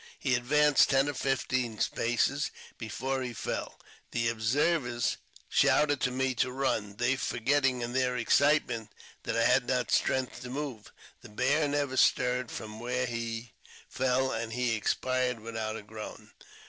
He advanced ten or fifteen paces before he fell ; the observers shouted to me to run, they forgetting in their excitement that I had not strength to move. The bear never stirred from where he fell, and he expired without a groan.